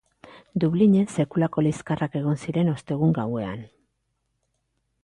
Dublinen sekulako liskarrak egon ziren ostegun gauean.